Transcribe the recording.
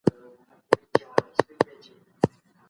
تاسو کله د تاریخ کتاب لوستی؟